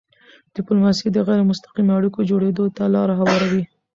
ډیپلوماسي د غیری مستقیمو اړیکو جوړېدو ته لاره هواروي.